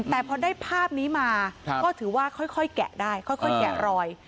แต่พอได้ภาพนี้มาก็ถือว่าค่อยแกะได้ค่อยแกะรอย